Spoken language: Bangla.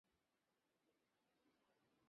বিনয়বাবুই বা আসবেন না কেন?